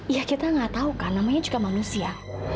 iya kita gak tau kan namanya juga manusia